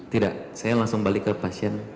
tidak saya langsung balik ke pasien